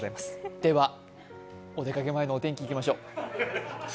では、お出かけ前のお天気、いきましょう。